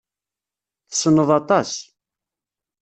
Tessneḍ aṭas.